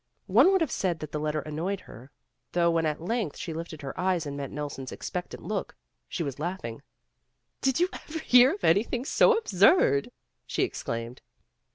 One would have said that the letter annoyed her, though when at length she lifted her eyes and met Nelson's expectant look, she was laughing. Did you ever hear of anything so absurd ?" she exclaimed.